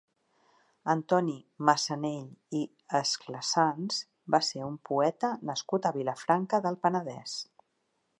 Antoni Massanell i Esclassans va ser un poeta nascut a Vilafranca del Penedès.